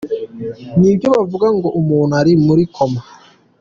nibyo bavuga ngo umuntu ari muri coma.